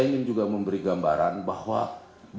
kalau tujuan ini saya tidak akan menanggung jawab